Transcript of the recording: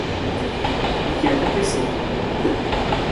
O que aconteceu